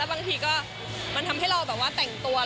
แล้วบางทีก็มันทำให้เราแบบว่าแต่งตัวแล้วแบบว่า